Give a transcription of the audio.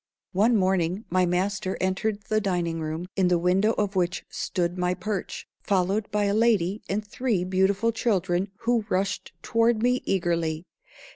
One morning my master entered the dining room, in the window of which stood my perch, followed by a lady and three beautiful children, who rushed toward me eagerly.